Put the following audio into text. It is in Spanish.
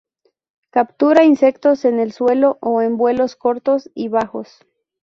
Captura insectos en el suelo o en vuelos cortos y bajos.